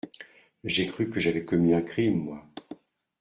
J’ai cru que j’avais commis un crime, moi.